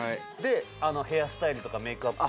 ヘアスタイルとかメイクアップ。